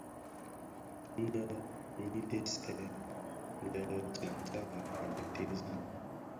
Nnë nyi dhesen le tyantyaran a dhi tèèzi.